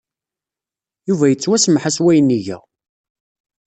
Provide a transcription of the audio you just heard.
Yuba yettwasemmeḥ-as wayen iga.